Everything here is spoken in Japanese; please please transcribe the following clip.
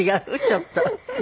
ちょっと。